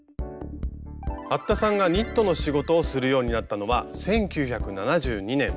服田さんがニットの仕事をするようになったのは１９７２年。